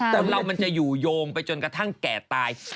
แต่เรามันจะอยู่โยงไปจนกระทั่งแก่ตาย